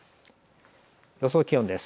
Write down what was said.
予想気温です。